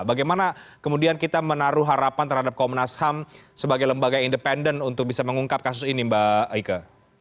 bagaimana kemudian kita menaruh harapan terhadap komnas ham sebagai lembaga independen untuk bisa mengungkap kasus ini mbak ike